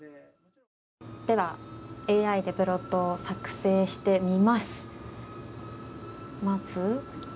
では、ＡＩでプロットを作成してみます。